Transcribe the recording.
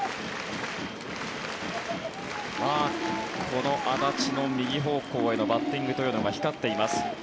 この安達の右方向へのバッティングというのが光っています。